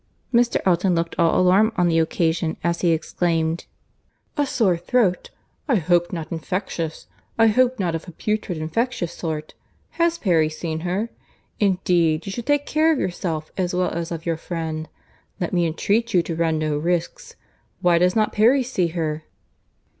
Mr. Elton looked all alarm on the occasion, as he exclaimed, "A sore throat!—I hope not infectious. I hope not of a putrid infectious sort. Has Perry seen her? Indeed you should take care of yourself as well as of your friend. Let me entreat you to run no risks. Why does not Perry see her?"